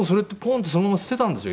ッてそのまま捨てたんですよ